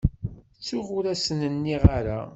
Ttuɣ ur asen-nniɣ ara.